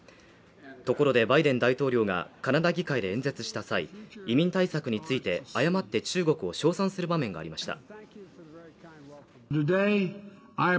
ところでバイデン大統領がカナダ議会で演説した際、移民対策について、誤って中国を称賛する場面がありました。